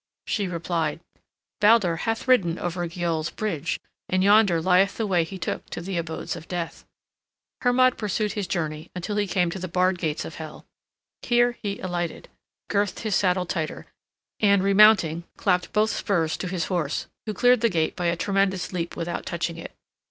She replied, "Baldur hath ridden over Gyoll's bridge, and yonder lieth the way he took to the abodes of death" Hermod pursued his journey until he came to the barred gates of Hel. Here he alighted, girthed his saddle tighter, and remounting clapped both spurs to his horse, who cleared the gate by a tremendous leap without touching it.